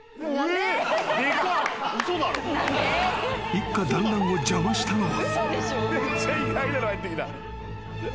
［一家だんらんを邪魔したのは］